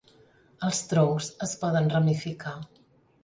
Els troncs es poden ramificar.